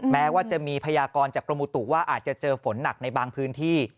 แม้ว่าจะมีพยากรจากกรมอุตุว่าอาจจะเจอฝนหนักในบางพื้นที่